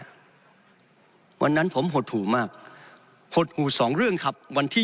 วันนั้นผมหดหู่มากหดหูสองเรื่องครับวันที่